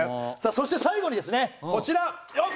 そして最後にですねこちら。